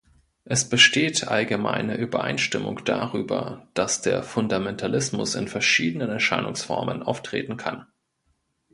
Es besteht allgemeine Übereinstimmung darüber, dass der Fundamentalismus in verschiedenen Erscheinungsformen auftreten kann.